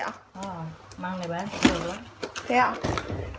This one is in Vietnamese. đó rồi măng này bán rất nhiều lắm